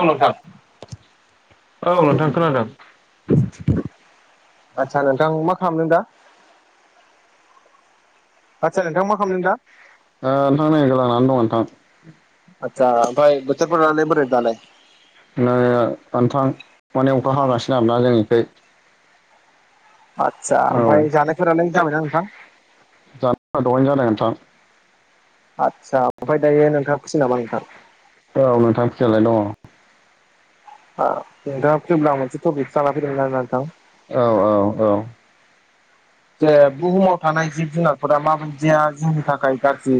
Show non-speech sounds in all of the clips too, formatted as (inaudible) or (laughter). अ नोंथां। औ, नोंथां खोनादों। आदसा नोंथां मा खालामदों दा? आदसा मा नोंथां खालामदों दा नै गोलानानै दं नोंथां। आतसा ओमबाय बोथोरफोरालाय बोरै दालाय? नो नोथां माने अखा हागासिनो आरोना जोंनिखै। आदसा औ (unintelligible) ओमफ्राय जानायफोरालाय जाबायना नोंथां दहायनो जादों नोंथां। आदसा ओमफ्राय दायो नोंथाङा फुसि नामा नोंथां? औ नोंथां फ्रियालाय दङ। नोंथाङा फ्रिब्ला मोनसे टपिक जाना फैदोंमोन आरोना नोंथां। औ औ औ जे बुहुमाव थानाय जिब जुनारफोरा माबायदिया जोंनि थाखाय गारजि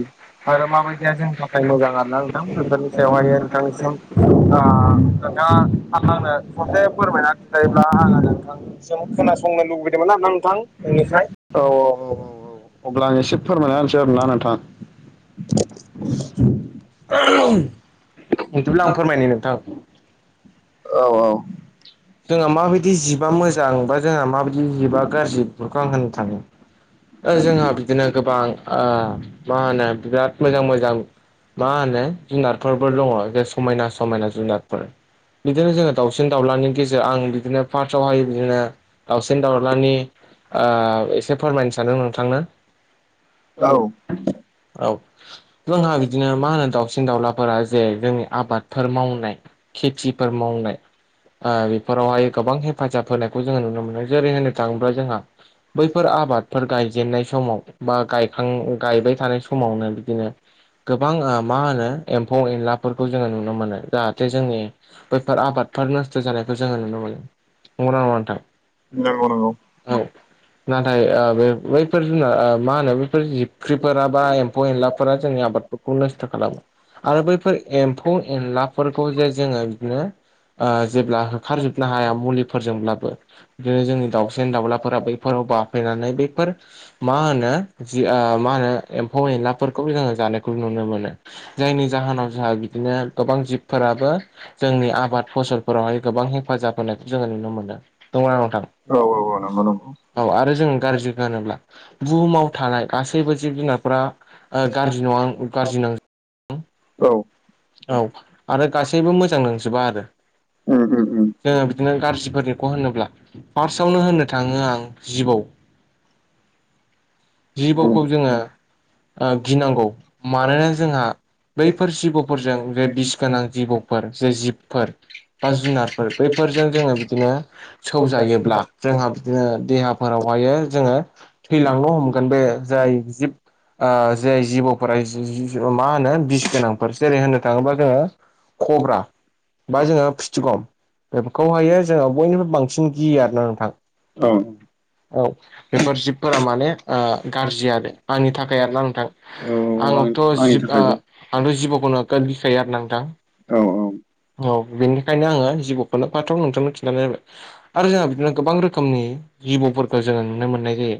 आरो माबायदिया जोंनि थाखाय मोजां आरोना नोंथां बेफोरनि सायावहाय नोंथांनिसिम नोंथाङा आंनो खनसे फोरमायना खिन्थायोब्ला आङो नोंथां सिम खोनासंनो लुबैदोंमोन आरोना नोंथां। नोंनिफ्राय औ औ औ औ औ अब्ला आं एसे फोरमायना होनोसै आरोना नोंथां। (inaudible) बिदिब्ला आं फोरमायनो नोंथां। औ औ जोंहा माबायदि जिबआ मोजां बा जोंहा माबायदि जिबआ गाज्रि बेफोरखौ आं होननो थांनि जोंहा बिदिनो गोबां मा होनो बिराद मोजां मोजां मा होनो जुनारफोरबो दङ जे समायना समायना जुनार फोर बिदिनो जोङो दाउसिन दावउलानि गेज जो आं बिदिनो पार्स आव हाय बिदिनो दावसिन दावलानि औ आ एसे फोरमायनो सानदों नोंथांनो। औ औ जोंहा बिदिनो मा होनो दाउसिन दाउला फोरा जे जोंनि आबादफोर मावनाय खेथिफोर मावनाय आ बेफ फोरावहाय गोबां हेफाजाब होनायखौ जोङो नुनो मोनो। जेरै होननो थाङोब्ला जोंहा बैफोर आबादफोर गायजेननाय समाव बा गायखां गायबाय थानाय समावनो बिदिनो गोबां ओ मा होनो एम्फौ एनलाफोरखौ जोङो नुनो मोनो। जाहाथे जोंनि बैफोर आबादफोर नस्थ' जानायखौ जोङो नुनो मोनो। नंगौना नङा नोंथां। नंगौ नंगौ नों औ नाथाय ओ बेफ बैफोर जुनार आ मा होनो बैफोर जिख्रिफोरा बा एम्फौ एनलाफोरा जोंनि आबाद फोखौ नोस्थो खालामो। आरो बैफोर एम्फौ एनलाफोरखौ जे जोङो बिदिनो आ जेब्ला खारजोबनो हाया मुलिफोरजोंब्लाबो रो जोंनि दाउसिन दाउलाफोरा बैफोराव बाफैनानै बेफोर मा होनो जि आ मा होनो एम्फौ एनलाफोरखौबो जोङो जानायखौ नुनो मोनो। जायनि जाहोनाव जोंहा बिदिनो गोबां जिबफोराबो जोंनि आबाद फसलफोरावहाय गोबां हेफाजाब होनायखौ जोङो नुनो मोनो। नंगौना नङा नोंथां? औ औ औ नंगौ नंगौ औ आरो जों गाज्रि होनोब्ला बुहुमाव थानाय गासैबो जिब जुनारफोरा आं गाज्रि नङा गाज्रि नां औ औ आरो गासैबो मोजां नोंजोबा आरो। उम उम उम जोङो बिदिनो गाज्रिफोरनिखौ होनोब्ला फारसावनो होननो थाङो आं जिबौ (inaudible) जिबौखौ जोङो ओ गिनांगौ। मानोना जोंहा बैफोर जिबौफोरजों जे बिस गोनां जिबौफोर जे जिबफोर बा जुनारफोर बैफोरजों जोङो बिदिनो सौजायोब्ला जोंहा बिदिनो देहा फोरावहायो जोङो थैलांनो हमगोन। बे जाय जिब आ जाय जिबौफोरा एजि जि जो मा होनो बिस गोनांफोर जेरै होननो थाङोबा जोङो खब्रा बा जोङो फिथ थिगौ बेफोरखौहायो जोङो बयनिफाय बांसिन गियो आरो ना औ नोंथां। औ बेफोर जिबफोरा माने आ गाज्रि आरो आंनि थाखाय आरो ना नोंथां। औ आं आंथ' आंनि जिब आ थाखायबो आंथ' जिबौखौ नोगोद गिखायो आरोना नोंथां। औ नौ बिनि खायनो आङो जिबौखोनो फाथाव नोंथांनो खिन्थानाय जाबाय। आरो जोंहा बिदिनो गोबां रोखोमनि जिबौफोरखौ जोङो नुनो मोननाय जायो।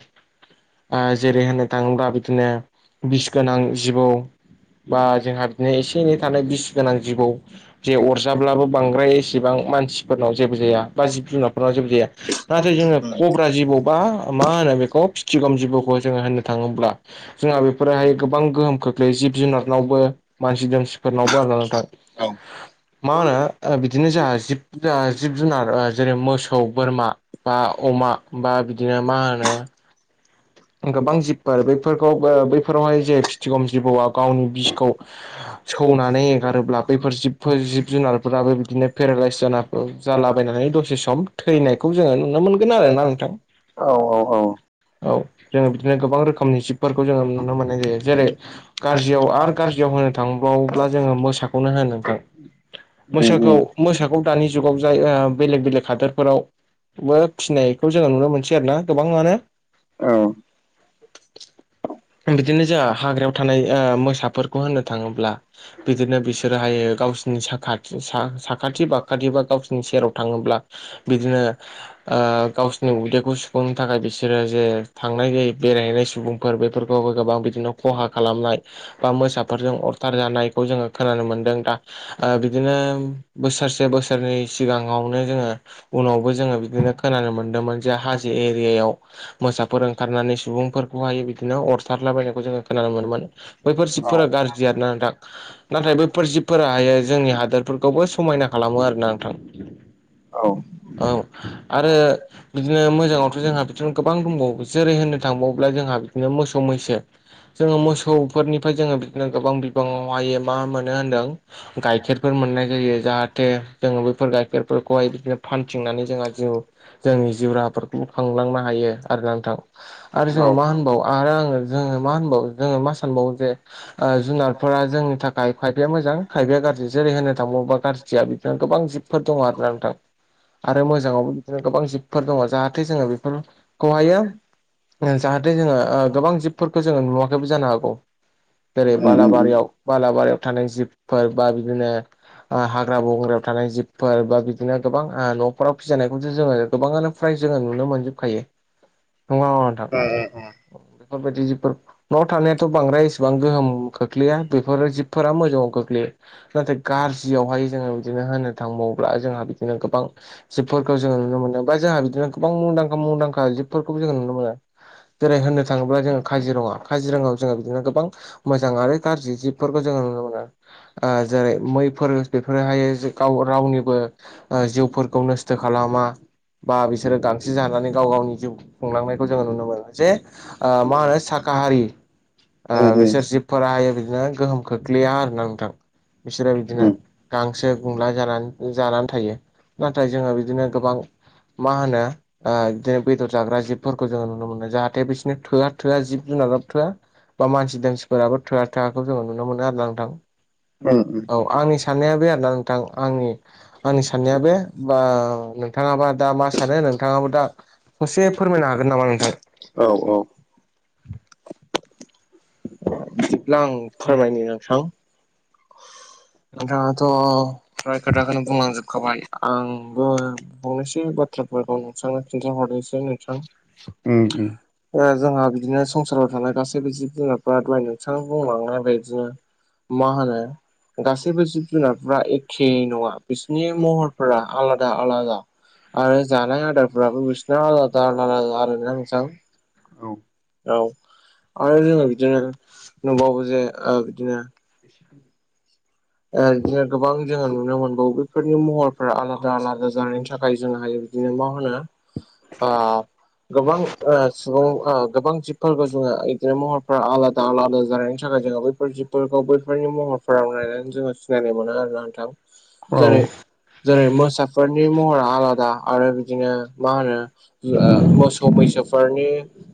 आ जेरै होननो थाङोब्ला बिदिनो बिस गोनां जिबौ। बा जोंहा बिदिनो एसे एनै थानाय बिस गोनां जिबौ जे अरजाब्लाबो बांद्राय एसेबां मानसिफोरनाव जेबो जाया। बा जिब जुनारफोरनाव जेबो जाया। नाथाय जोङो खब्रा जिबौ बा मा होनो बेखौ फिथिगम जिबौखौ जोङो होननो थाङोब्ला जोंहा बेफोरहाय गोबां गोहोम खोख्लैयो जिब जुनारनावबो। मानसि दोमसिफोरनावबो आरो ना नोंथा। मा होनो दिनो जाहा जिब जा जिब जुनार जेरै मोसौ, बोरमा बा अमा बा बिदिनो मा होनो? गोबां जिबफोर बैफोरखौ ओ बैफोरावहाय जे फिथिगम जिबौआ गावनि बिसखौ सौनानै एगारोब्ला बैफोर जिबफोर जिब जुनारफोराबो बिदिनो पेरालाइस जाना औ जालाबायनानै दसे सम थैनायखौ जोङो नुनो मोनगोन आरोना नोंथां। औ औ औ औ जोङो बिदिनो गोबां रोखोमनि जिबफोरखौ जोङो नुनो मोननाय जायो। जेरै गाज्रियाव आरो गाज्रियाव होनो थांबावोब्ला जोङो मोसाखौनो होन नोंथां (inaudible) मोसाखौ मोसाखौ दानि जुगाव जाय ओ बेलेग बेलेग हादोरफोराव बो फिसिनायखौ जोङो नुनो मोनसै आरो ना गोबाङानो बिदिनो जाया हाग्रायाव थानाय ओ मोसाफोरखौ होननो थाङोब्ला बिदिनो बिसोरोहाय गावसिनि साखाथि साखाथि बाखाथि बा गावसिनि सेराव थाङोब्ला बिदिनो ओ गावसोरनि उदैखौ सुफुंनो थाखाय बिसोरो जे थांनाय जायो बेरायहैनाय सुबुंफोर बेफोरखौबो गोबां बिदिनो खहा खालामनाय बा मोसाफोरजों अरथार जानायखौ जोङो खोनानो मोनदों दा ओ बिदिनो बोसोरसे बोसोरनै सिगाङावनो जोङो उनावबो जोङो बिदिनो खोनानो मोन्दोंमोन जे हाजो एरियायाव मोसा फोर ओंखारनानै सुबुंफोरखौहाय बिदिनो अरथारलाबायनायखौ जोङो खोनानो मोनोमोन बैफोर जिबफोरा गाज्रि जि आरोना नोंथा। नाथाय बेैफोर जिबफोराहाय जोंनि हादोरफोरखौबो समायना खालामो आरोना नोंथां। औ आरो बिदिनो मोजाङाथ' जोंहा बिनो गोबां दंबावो जेरै होननो थांबावोब्ला जोंहा बिदिनो मोसौ मैसो जोङो मोसौफोरनिफ्राय जोङो बिदिनो गोबां बिबाङावहायो मा मोनो होनदों गाइखेरफोर मोननाय जायो जाहाथे जोङो बैफोर गाइखेरफोरखौहाय बिदिनो फान थिंनानै जोंहा जिउ जोंनि जिउ राहाफोरखौ खांलांनो हायो आरो नोंथा। आरो जोङो मा होनबाव आरो आङो जोङो मा होनबाव जोङो मा सानबावो जे ओ जुनारफोरा जोंनि थाखाय खायफाया मोजां खायफाया गाज्रि जेरै होनो थांवोब्ला गाज्रि जिया बिदिनो गोबां जिबफोर दङ आरो नोंथां। आरो मोजाङावबो बिदिनो गोबां जिबफोर दङ जाहाथे जोङो बेफोरखौहायो जाहाथे जोङो ओ गोबां जिबफोरखौ जोङो नुवाखैबो जानो हागौ जेरै बालाबारियाव बालाबारियाव थानाय जिबफोर बा बिदिनो ओ हाग्रा बंग्रायाव थानाय जिबफोर बा बिदिनो गोबां ओ न'फोराव फिजानायखौथो जोङो गोबाङानो फ्राय जोङो नुनो मोनजोबखायो नङा नोंथां बेफोरबायदि जिफोर न'आव थानायाथ' बांद्राय इसेबां गोहोम खोख्लैया बेफोर जिबफोरा मोजाङाव खोख्लैयो नाथाय गाज्रियावहाय जोङो बिदिनो होनो थांबावोब्ला जोंहा बिदिनो गोबां जिबफोरखौ जोङो नुनो मोनदों बा जोंहा बिदिनो गोबां मुंदांखा मुंदांखा जिब फोरफोरखौ जोङो नुनो मोना मोजां आरो गाज्रि जिबफोरखौ जोङो नुनो मोनो ओ जेरै मैफोर बेफोरोहायो गाव रावनिबो ओ जिउफोरखौ नस्थ' खालामा बा बिसोरो गांसो जानानै गाव गावनि जिउ खुंलांनायखौ जोङो नुनो मोनो जे ओ मा होनो सा का हारि ओ उम बिसोर जिबफोराहायो उम बिदिनो गोहोम खोख्लैया आरो ना नोंथां बिसोरो बिदिनो उम गांसो गुंला जानानै जानानै थायो नाथाय जोङो बिदिनो गोबां मा होनो ओ बिदिनो बेदर जाग्रा जिबफोरखौ जोङो नुनो मोनो जाहाथे बिसोरनो थोआ-थोआ जिब जुनाराबो थोआ बा मानसि दानसिफोराबो थोआ-थोखौ जोङो नुनो मोनो आरोना नोंथां। उम उम औ आंनि साननाया बे आरो ना नोंथां आंनि आंनि साननाया बे बा नोंथाङाबा दा मा सानो नोंथाङाबो दा ससे फोरमायनो हागोन नामा नोंथां। औ औ अब्ला आं फोरमायनि नोंथां नोंथाङाथ' फ्राय खोथाखौनो बुंलांजोबखाबाय आंबो फंनैसै बाथ्राफोरखौ नोंथांनो खिन्थाहरनोसै नोंथां। उम उम ओ जोंहा बिदिनो संसाराव थानाय गासैबो जिब जुनारफ्रा दहाय नोंथाङ बुंलांनाय बिदिनो मा होनो गासैबो जिब जुनारफ्रा एखे नङा बिसिनि महर फोरा आलाद आरो जानाय आदारफोराबो बिसिना आलादा-आलादा आरोना नोंथां। औ औ आरो जोंङो बिदिनो नुबावो जे ओ बिदिनो ओ बिदिनो गोबां जोंङो नुनो मोनबावो बेफोरनि महरफोरा आलादा- आलादा जानायनि थाखाय जोंहायो बिदिनो मा होनो ओ गोबां ओ सुबुं ओ गोबां जिबफोरखौ जोंङो बिदिनो महरफोरा आलादा-आलादा जानायनि थाखाय जोंङो बैफोर जि औ जेरै जेरै मोसाफोरनि महरा आलादा आरो बिदिनो मा होनो ओ मोसौ मैसोफोरनि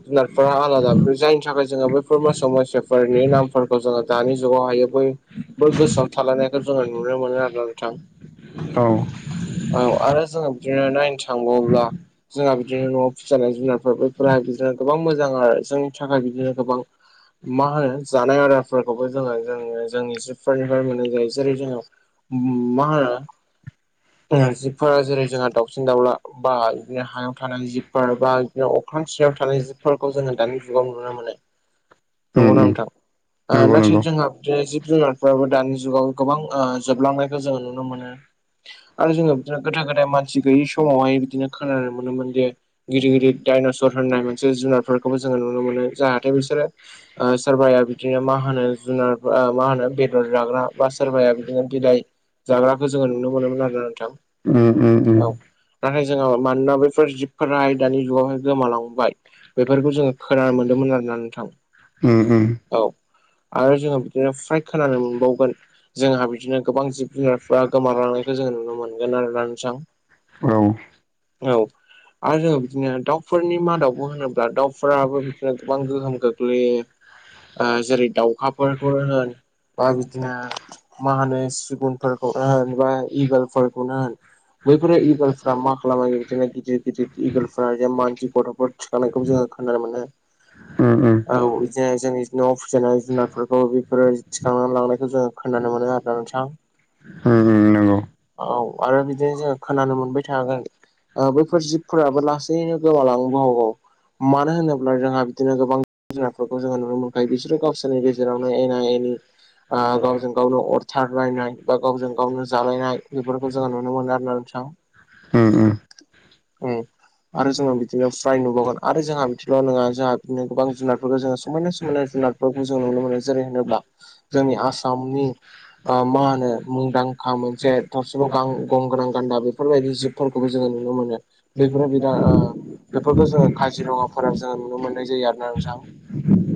जुनारफोरा आलादा बे जायनि थाखाय जोंङो बे फोर मोसो मैसोफोरनि नामफोरखौ जोंङो दानि जुगाव हायो बयबो गोसोआव थालायनायखौ जोंङो नुनो मोनो आरोना नोंथां। औ औ आरो जोंङो बिदिनो नायनो थांबावब्ला जोंहा बिदिनो न'आव फिसि जानाय जुनारफोर बेफोरा बिदिनो गोबां मोजां आरो जोंनि थाखाय बिदिनो गोबां मा होनो जानाय आदारफोरखौबो जोंङो-जोंङो जोंनि जिबफोरनि मोननाय जायो जेरै जोंङो ओम मा होना ओ जिबफोरा जेरै जोंहा दाउसिन-दाउला बा बिदिनो हायाव थानाय जिबफोर बा बिदिनो अख्रां सिायाव थानाय जिबफोरखौ जोंङो दानि जुगाव नुनो मोनो। उम नंगौना उम नोंथां? ओ नंगौ नाथाय जोंहा बिदिनो जिब जुनारफ्राबो दानि जुगाव गोबां ओ जोबलांनायखौ जोङो नुनो मोनो। आरो जोंङो बिदिनो गोदा-गोदाय मानसि गैयि समावहाय बिदिनो खोनानो मोनोमोन दि गिदिर गिदिर डाइनसर होननाय मोनसे जुनारफोरखौबो जोंङो नुनो मोनो। जाहाथे बिसोरो ओ सोरबाया बिदिनो मा होनो जुनार मा होनो बे जाग्रा बा सोरबाया बिदिनो बिलाइ जाग्राखौ जोंङो नुनो मोनोमोन आरोना नोंथां। उम-उम औ नाथाय जोंङो मानोना बैफोर जिबफोराहाय दानि जुगावहाय गोमालांबाय। बेफोरखौ जोंङो खोनानो मोनदोंमोन आरोना नोंथां। उम उम औ आरो जोंङो बिदिनो फ्राइ खोनानो मोनबावगोन जोंहा बिदिनो गोबां जिब जुनारफ्रा गोमालांनायखौ जोंङो नुनो मोनगोन आरो ना नोंथां। औ आरो जोंङो बिदिनो दाउफोरनि मादावबो होनोब्ला दाउफोराबो बिदिनो गोबां गोहोम गोग्लैयो। ओ जेरै दाउखाफोरखौ होन बा बिदिनो मा होनो सिगुनफोरखौनो होन बा इंगोलफोरखौनो होन? बैफोरो इंगलफ्रा मा खालामो बिदिनो गिदिर गिदिर इगलफ्रा जे मानसि गथ'फोर थिखांनायखौबो जोंङो खोनानो मोनदों। उम औ जे जोंनि न'आव फिजानाय जुनारफोरखौ बेफोरो थिखांनानै लांनायखौ जोंङो खोनानो मोनो आरोना नोंथां। उम नंगौ औ आरो बिदिनो जोंङो खोनानो मोनबाय थागोन। ओ बैफोर जिबफोराबो लासैनो गोमालांनोबो हागौ। मानो होनोब्ला जोंहा बिदिनो गोबां जुनारफोरखौ जोंङो नुनो मोनखायो बिसोरो गावसोरनि गेजेरावनो एना-एनि गावजों गावनो अरथारलनायनाय बा गावजों गावनो जालायनाय बेफोरखौ जोंङो नुनो मोनो आरो ना नोंथां उम उम उम आरो जोंङो बिदिनो फ्राय नुबावगोन आरो जोंहा बिदिल' नंङा जोंहा बिदिनो गोबां जुनारफोरखौ जोंङो समायना-समायना जुनार। जों नुनो मोनो जेरै होनोब्ला जोंनि आसामनि ओ मा होनो मुंदांखा मोनसे थरसेलाव गां गं गोनां गान्दा बेफोरबायदि जिब फोरखौबो जोंङो नुनो मोनो। बेफोरो बिरा ओ बेफोरखौ जोंङो काजिरङाफोराव जोंङो नुनो मोननाय जायो आरोना ना नोंथां।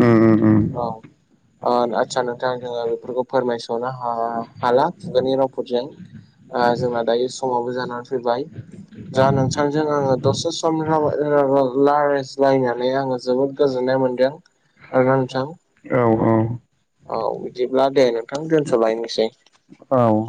उम उम औ उम अ आदसा नों दा जोंङो बेफोरखौ फोरमायस'नो हाला खुगानि रावफोरजों। ओ जोंना दायो समावबो जानानै फैबाय। दा नोंथांजों आङो दसे सम रायलाय-रायलाय-रायलायज्लायनानै आङो जोबोद (unintelligible) गोजोननाय मोन्दों। (unintelligible) औ -औ। औ बिदिब्ला दे नोंथां दोनस'लायनोसै। औ